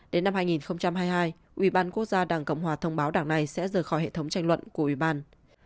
đến năm hai nghìn hai mươi hai ủy ban quốc gia đảng cộng hòa thông báo đảng này sẽ rời khỏi hệ thống tranh luận của ủy ban